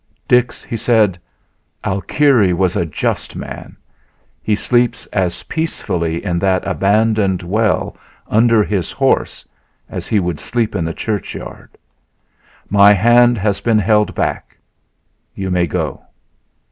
"Dix," he said, "Alkire was a just man; he sleeps as peacefully in that abandoned well under his horse as he would sleep in the churchyard. My hand has been held back; you may go.